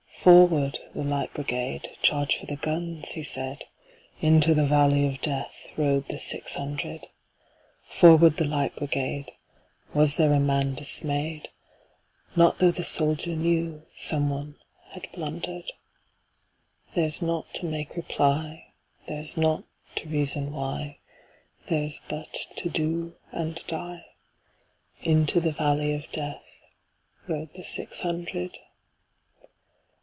"Forward, the Light Brigade! Charge for the guns!" he said:Into the valley of DeathRode the six hundred."Forward, the Light Brigade!"Was there a man dismay'd? Not tho' the soldier knewSome one had blunder'd:Theirs not to make reply, Theirs not to reason why, Theirs but to do and die:Into the valley of DeathRode the six hundred.